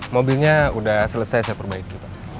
mobilnya sudah selesai saya perbaiki pak